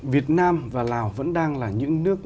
việt nam và lào vẫn đang là những nước